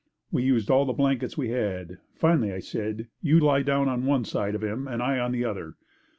We used all the blankets we had. Finally I said, "You lie down on one side of him and I on the other."